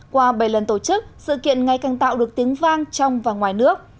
qua bảy lần tổ chức sự kiện ngày càng tạo được tiếng vang trong và ngoài nước